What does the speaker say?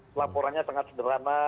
pelaporannya sangat sederhana